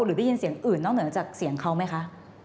หรือได้ยินเสียงอื่นนอกเหนือจากเสียงเขาไหมคะ